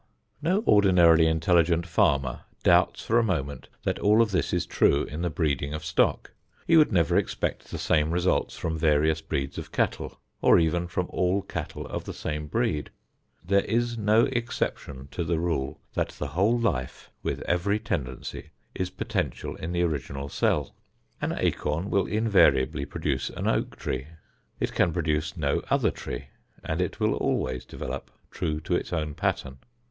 No ordinarily intelligent farmer doubts for a moment that all of this is true in the breeding of stock. He would never expect the same results from various breeds of cattle or even from all cattle of the same breed. There is no exception to the rule that the whole life, with every tendency, is potential in the original cell. An acorn will invariably produce an oak tree. It can produce no other tree, and it will always develop true to its own pattern.